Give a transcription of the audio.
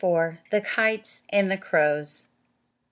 IV. THE KITES AND THE CROWS.